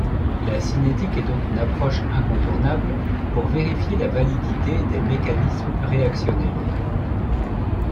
La cinétique est donc une approche incontournable pour vérifier la validité des mécanismes réactionnels.